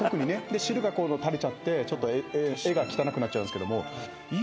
で汁が垂れちゃってちょっと絵が汚くなっちゃうんですけども。